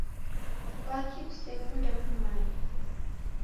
Kwaki kusekunde kumanya?